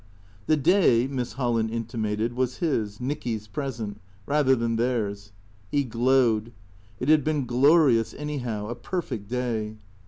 The day. Miss Holland intimated, was his, Nicky's present, rather than theirs. He glowed. It had been glorious, anyhow, a perfect day.